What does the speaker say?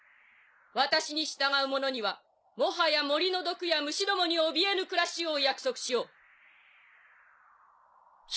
私に従う者にはもはや森の毒や蟲どもにおびえぬ暮らしを約束しよう。